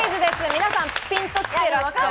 皆さんピンと来てる。